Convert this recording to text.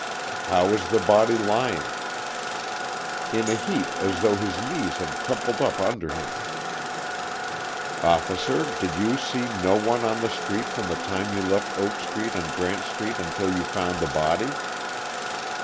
"How was the body lying?" "In a heap, as though his knees had crumpled up under him." "Officer, did you see no one on the street from the time you left Oak Street and Grant Street until you found the body?"